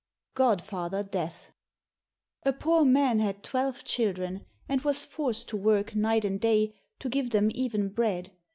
44 Godfather Death A poor man had twelve children and was forced to work night and day to give them even bread.